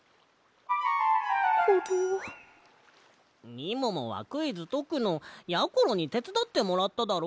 みももはクイズとくのやころにてつだってもらっただろ？